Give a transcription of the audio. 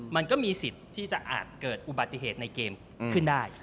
มันก็มีสิทธิ์ที่จะอาจเกิดอุบัติเหตุในเกมขึ้นได้